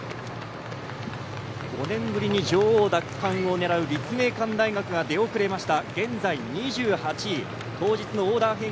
５年ぶりに女王奪還を狙う立命館大学が出遅れました。